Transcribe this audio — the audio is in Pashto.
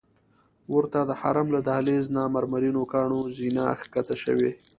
ورته د حرم له دهلیز نه مرمرینو کاڼو زینه ښکته شوې.